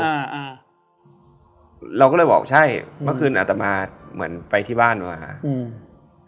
อ่าอ่าเราก็เลยบอกใช่เมื่อคืนอาตมาเหมือนไปที่บ้านมาอืม